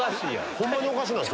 ホンマにおかしないです